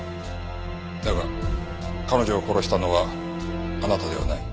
だが彼女を殺したのはあなたではない。